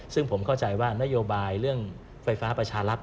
ซึ่งผมเข้าใจว่านโยบายเรื่องไฟฟ้าประชาลักษณ